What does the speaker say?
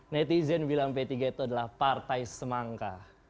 netizen bilang p tiga itu adalah partai semangka